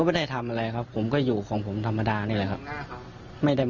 ว่าก็ได้ทำอะไรครับก็อยู่ของผมที่นั้นเลยไม่ได้